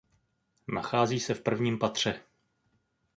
Nachází se v prvním patře.